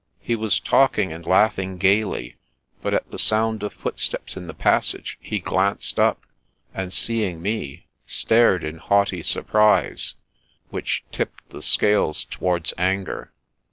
He was talking and laughing gaily; but at the sound of footsteps in the passage he glanced up, The Scraping of Acquaintance 115 and, seeing me, stared in haughty surprise, which tipped the scales towards anger.